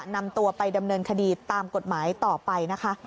นำตัวไปดำเนินคดีตามกฎหมายต่อไปนะคะ